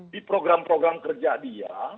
di program program kerja dia